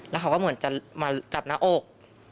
แล้วเขาก็เหมือนจะมาจับหน้าอก